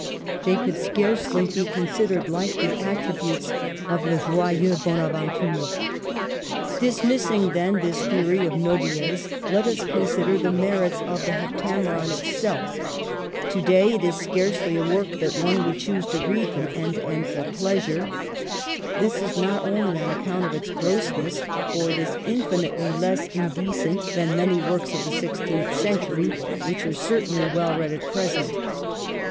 They could scarcely be considered likely attributes of '' le joyeux Bonaventure." Dismissing, then, this theory of Nodier's, let us consider the merits of the '* Heptameron " itself. THE '' HEPTAMERONP 229 To day it is scarcely a work that one would choose to read from end to end for pleasure. This is not only on account of its grossness, for it is infinitely less indecent 'than many works of the Sixteenth Century which are certainly well read at present.